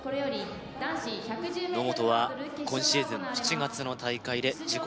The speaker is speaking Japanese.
野本は今シーズン７月の大会で自己